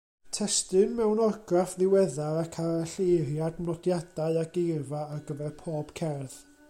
Testun mewn orgraff ddiweddar ac aralleiriad, nodiadau a geirfa ar gyfer pob cerdd.